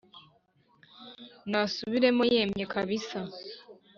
nasubiremo yemye kabisa